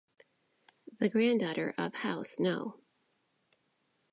The granddaughter of house no.